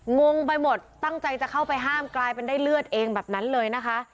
งงไปหมดตั้งใจจะเข้าไปห้ามกลายเป็นได้เลือดเองแบบนั้นเลยนะคะ